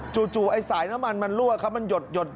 จู่ไอ้สายน้ำมันมันรั่วเขามันหยด